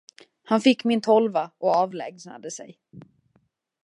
Han fick min tolva och avlägsnade sig.